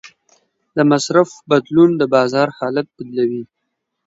د مصرف بدلون د بازار حالت بدلوي.